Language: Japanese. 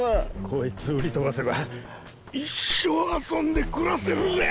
こいつを売りとばせば一生遊んでくらせるぜ。